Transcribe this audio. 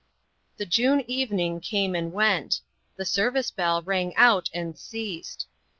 The June evening came and went. The service bell rang out and ceased.